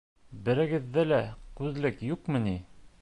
Берегеҙҙә лә күҙлек юҡмы ни?